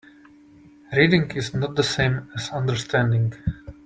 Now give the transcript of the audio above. Reading is not the same as understanding.